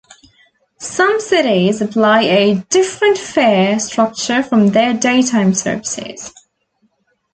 Some cities apply a different fare structure from their daytime services.